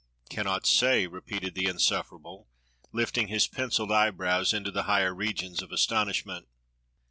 "Cannot say.^" repeated the insufferable, lifting his pencilled eyebrows into the higher regions of astonish ment.